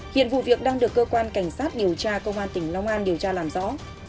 hiện vụ việc đang được cơ quan cảnh sát điều tra công an tỉnh long an điều tra làm rõ